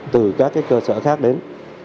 từ các cơ sở khác đến